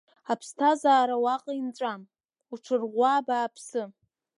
Аԥсҭазаара уаҟа инҵәам, уҽырӷәӷәа абааԥсы…